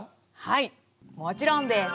はいもちろんです。